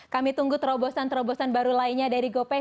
kami tunggu terobosan terobosan baru lainnya dari gopay